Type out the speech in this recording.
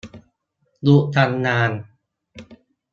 หยุดทำงาน